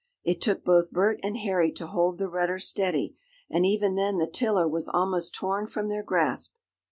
It took both Bert and Harry to hold the rudder steady, and even then the tiller was almost torn from their grasp.